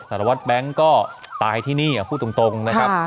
สารวัตรแบงค์ก็ตายที่นี่พูดตรงนะครับ